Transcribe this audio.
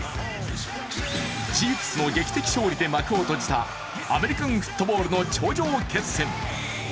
チーフスの劇的勝利で幕を閉じたアメリカンフットボールの頂上決戦。